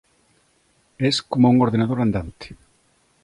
Es coma un ordenador andante.